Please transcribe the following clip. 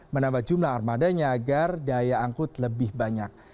menambah jumlah armadanya agar daya angkut lebih banyak